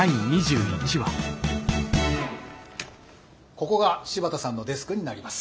ここが柴田さんのデスクになります。